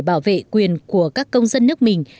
bảo vệ quyền của các công dân nước mình